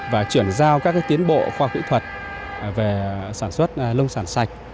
và chuyển giao các tiến bộ khoa khủy thuật về sản xuất nông sản sạch